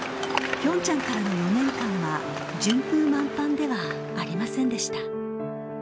ピョンチャンからの４年間は順風満帆ではありませんでした。